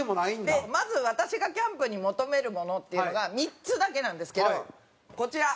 でまず私がキャンプに求めるものっていうのが３つだけなんですけどこちら。